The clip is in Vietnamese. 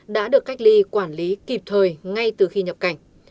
đã được cách ly quản lý kịp thời ngay từ khi nhập cảnh